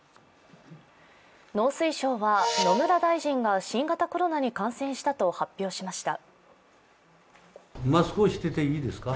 農水省は野村大臣が新型コロナに感染したと発表しました。